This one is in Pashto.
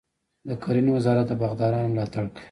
د کرنې وزارت د باغدارانو ملاتړ کوي.